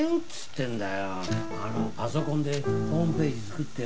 パソコンでホームページ作ってよ。